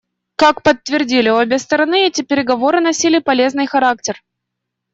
Как подтвердили обе стороны, эти переговоры носили полезный характер.